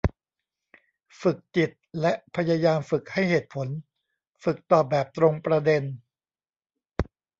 ฝึกจิต และพยายามฝึกให้เหตุผล ฝึกตอบแบบตรงประเด็น